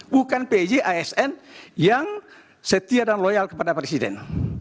bukan pj asn yang setia dan loyal kepada presiden